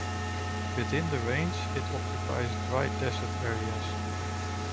Within this range, it occupies dry desert areas.